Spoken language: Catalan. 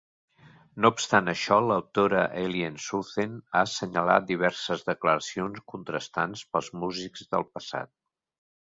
No obstant això, l'autora Eileen Southern ha assenyalat diverses declaracions contrastants pels músics del passat.